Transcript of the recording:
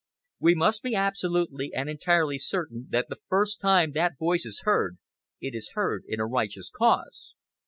We must be absolutely and entirely certain that the first time that voice is heard it is heard in a righteous cause."